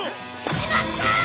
しまった！